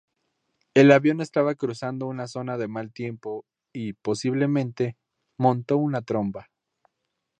El avión estaba cruzando una zona de mal tiempo y, posiblemente, montó una tromba.